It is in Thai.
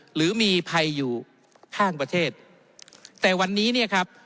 หรือมีภัยอยู่ข้างประเทศแต่วันนี้เนี่ยครับ